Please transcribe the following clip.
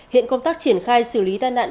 hiện công tác triển khai xử lý tai nạn